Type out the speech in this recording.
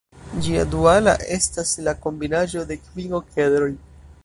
Ĝia duala estas la kombinaĵo de kvin okedroj.